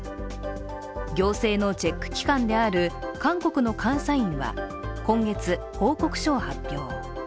行政のチェック機関である韓国の監査院は今月、報告書を発表。